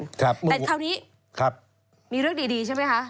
แต่คราวนี้มีเรื่องดีใช่ไหมคะ